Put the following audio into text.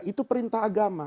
itu perintah agama